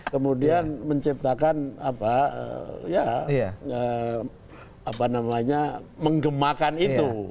kemudian menciptakan apa namanya menggemakan itu